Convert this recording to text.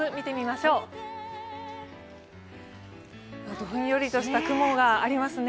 どんよりとした雲がありますね。